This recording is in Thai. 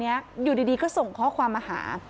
เนี้ยอยู่ดีนะคะส่งข้อความมาหา